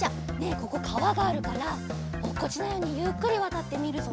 ここかわがあるからおっこちないようにゆっくりわたってみるぞ。